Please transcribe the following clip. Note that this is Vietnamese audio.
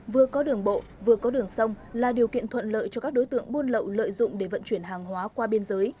vừa có đường bộ vừa có đường sông là điều kiện thuận lợi cho các đối tượng buôn lậu lợi dụng để vận chuyển hàng hóa qua biên giới